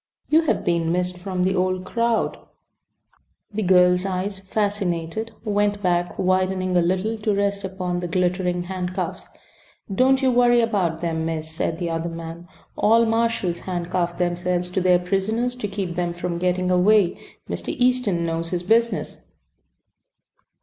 You have been missed from the old crowd." The girl's eyes, fascinated, went back, widening a little, to rest upon the glittering handcuffs. "Don't you worry about them, miss," said the other man. "All marshals handcuff themselves to their prisoners to keep them from getting away. Mr. Easton knows his business."